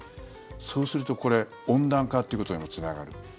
そうすると、これ温暖化ってことにもつながる。